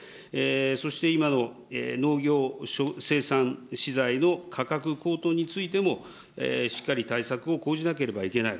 そして今の農業生産資材の価格高騰についても、しっかり対策を講じなければいけない。